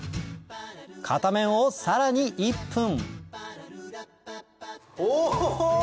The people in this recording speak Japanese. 片面をさらに１分お！